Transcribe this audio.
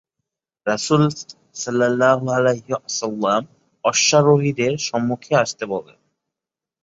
রাসূল সাল্লাল্লাহু আলাইহি ওয়াসাল্লাম অশ্বারোহীদের সম্মুখে আসতে বলেন।